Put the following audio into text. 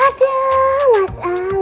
aduh mas al